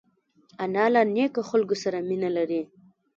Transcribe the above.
انا له نیکو خلکو سره مینه لري